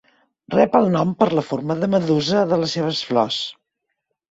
Rep el nom per la forma de medusa de les seves flors.